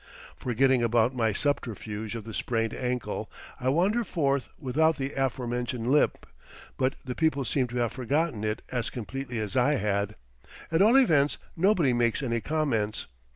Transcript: Forgetting about my subterfuge of the sprained ankle, I wander forth without the aforementioned limp; but the people seem to have forgotten it as completely as I had; at all events, nobody makes any comments.